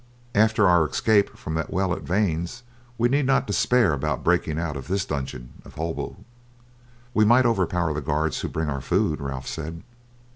After our escape from that well at Vannes we need not despair about breaking out from this dungeon of Holbeaut." "We might overpower the guard who brings our food," Ralph said.